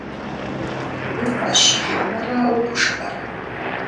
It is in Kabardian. Уи фӏэщ хьэмэрэ угушыӏэрэ?